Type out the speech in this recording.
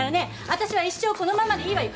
私は一生このままでいいわよ。